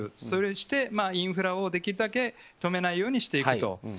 そして、インフラをできるだけ止めないようにしていくと。